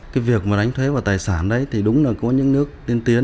cái việc mà đánh thuế vào tài sản đấy thì đúng là có những nước tiên tiến